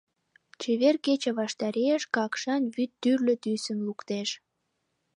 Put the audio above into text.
Чевер кече ваштареш Какшан вӱд тӱрлӧ тӱсым луктеш.